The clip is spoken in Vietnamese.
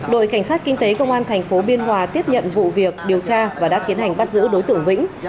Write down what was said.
đội cảnh sát kinh tế công an tp biên hòa tiếp nhận vụ việc điều tra và đã kiến hành bắt giữ đối tượng vĩnh